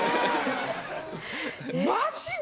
マジで？